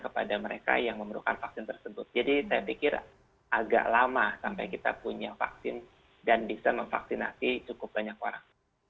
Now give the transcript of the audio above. jadi saya pikir agak lama sampai kita punya vaksin dan bisa memvaksinasi cukup banyak orang